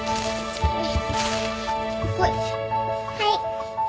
はい。